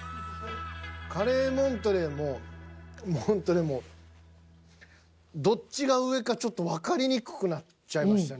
カレーモントレーもモントレーもどっちが上かちょっとわかりにくくなっちゃいましたね。